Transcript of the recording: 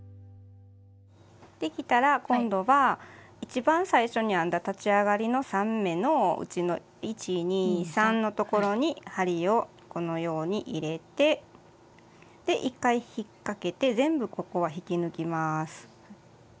できたら今度は一番最初に編んだ立ち上がりの３目のうちの１２３のところに針をこのように入れて１回引っ掛けて全部ここは引き抜きます。